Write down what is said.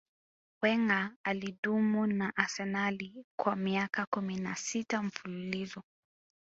wenger alidumu na arsenal kwa miaka kumi na sita mfululizo